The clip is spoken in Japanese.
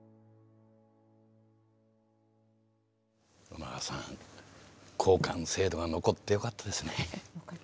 与那覇さん公看制度が残ってよかったですね。